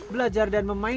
belajar dan memperkenalkan